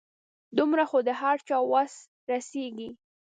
دومره خو د هر چا وس رسيږي .